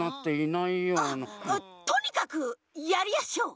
とにかくやりやしょう！